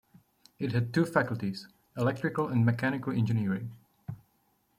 It had two faculties: Electrical and Mechanical Engineering.